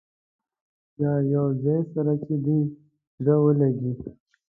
یو چا یا یو ځای سره چې دې زړه ولګېږي.